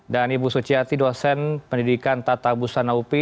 dan ibu suciati dosen pendidikan tata busana upi